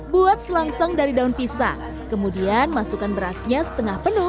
buat selangsung dari daun pisang kemudian masukkan berasnya setengah penuh